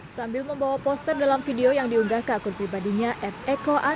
sambil membawa poster dalam video yang diunggah ke akun pribadinya